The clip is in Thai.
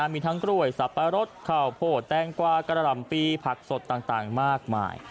มีทั้งกล้วยสับปะรดข้าวโพดแตงกวากระหล่ำปีผักสดต่างมากมาย